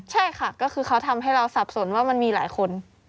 ใช่ค่ะก็คือเขาทำให้เราสับสนว่ามันมีหลายคน